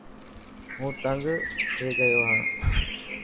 هون تنگ ٿييگيو هان.